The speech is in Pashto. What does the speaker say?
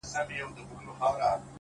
زه د ملي بیرغ په رپ ـ رپ کي اروا نڅوم!